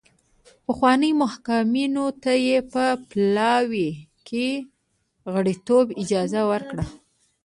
پخوانیو محکومینو ته یې په پلاوي کې غړیتوب اجازه ورکړه.